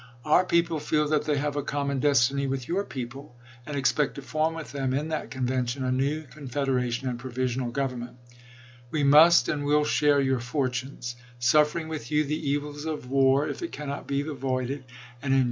Our people feel that they have a common destiny with your people, and expect to form with them, in that convention, a new confederation and provisional government. We must and will share your fortunes — suffering with you the evils of war, if it cannot be avoided, and enjoying with you the blessings of peace if it can be preserved.